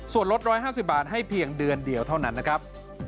ส่วนลด๑๕๐บาทให้เพียงเดือนเดียวเท่านั้นนะครับ